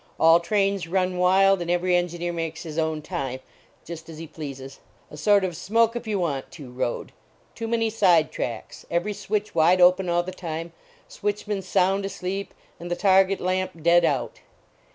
All trains run wild and every engineer makes his own time, just as he pleases. A sort of smoke if you want to road. Too many side tracks; every switch wide open all the time, switchman sound asleep and the target lamp dead out.